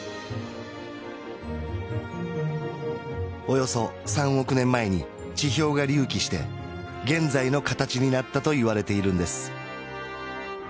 およそ３億年前に地表が隆起して現在の形になったといわれているんです